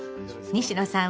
西野さん